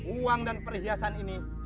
uang dan perhiasan ini